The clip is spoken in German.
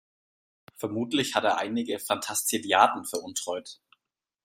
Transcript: Vermutlich hat er einige Fantastilliarden veruntreut.